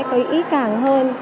có ý càng hơn